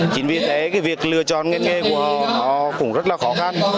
chính vì thế cái việc lựa chọn ngành nghề của họ nó cũng rất là khó khăn